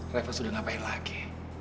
reva sudah ngapain lagi